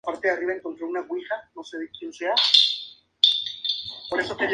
Premios Nacionales Cossio.